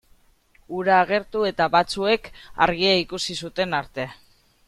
Hura agertu eta batzuek argia ikusi zuten arte.